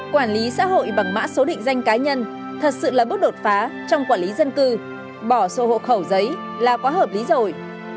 quản lý xã hội bằng mã số định danh cá nhân thật sự là bước đột phá trong quản lý dân cư bỏ sổ hộ khẩu giấy là quá hợp lý rồi